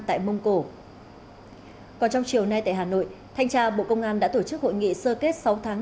tại mông cổ còn trong chiều nay tại hà nội thanh tra bộ công an đã tổ chức hội nghị sơ kết sáu tháng